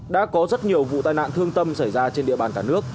đã có rất nhiều vụ tai nạn thương tâm xảy ra trên địa bàn cả nước